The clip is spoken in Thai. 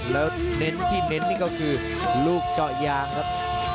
แล้วเน้นที่เน้นนี่ก็คือลูกเจาะยางครับ